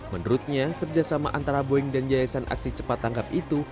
menurutnya kerjasama antara boeing dan yayasan aksi cepat tangkap itu